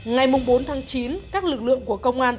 ngày bốn tháng chín các lực lượng của công an tp hải phòng